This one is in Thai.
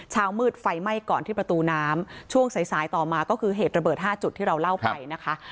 เช้ามืดไฟไหม้ก่อนที่ประตูน้ำช่วงสายสายต่อมาก็คือเหตุระเบิด๕จุดที่เราเล่าไปนะคะ